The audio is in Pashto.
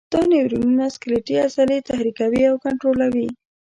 دا نیورونونه سکلیټي عضلې تحریکوي او کنټرولوي.